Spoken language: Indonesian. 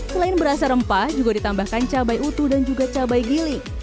selain berasa rempah juga ditambahkan cabai utuh dan juga cabai giling